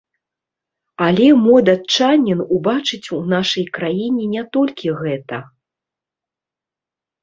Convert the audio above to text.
Але мо датчанін убачыць у нашай краіне не толькі гэта.